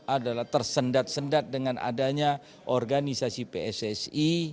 adalah tersendat sendat dengan adanya organisasi pssi